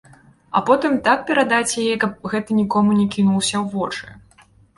А потым так перадаць яе, каб гэта нікому не кінулася ў вочы.